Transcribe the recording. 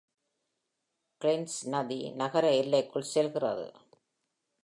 Clinch நதி நகர எல்லைக்குள் செல்கிறது.